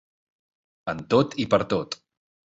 En tot i per tot.